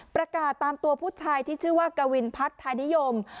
ประกาศตามตัวผู้ชายที่ชื่อว่ากวินพัฒน์ไทยนิยม